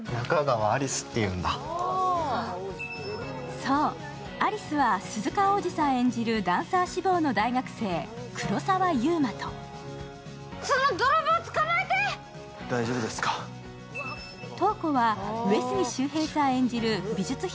そう、有栖は鈴鹿央士さん演じるダンサー志望の大学生、黒澤祐馬と瞳子は上杉柊平さん演じる美術品